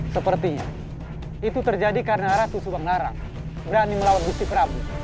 sepertinya itu terjadi karena ratu subang larang berani melawat gusti prabu